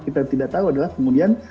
kita tidak tahu adalah kemudian